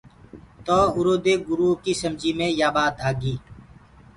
تو اُرو دي گُريو ڪي سمجي مي يآ ٻآت آگي۔